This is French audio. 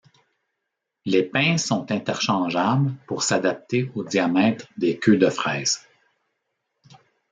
Les pinces sont interchangeables pour s'adapter au diamètre des queues de fraise.